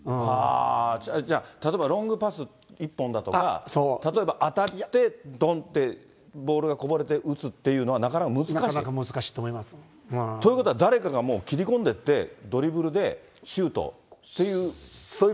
じゃあ、例えばロングパス一本だとか、例えば当たって、どんって、ボールがこぼれて、うつっていうのは、なかなか難しい？ということは誰かが、もう切り込んでいって、ドリブルでシュートっていう。